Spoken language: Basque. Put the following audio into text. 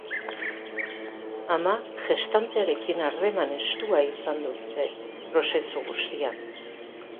Ama gestantearekin harreman estua izan dute prozesu guztian.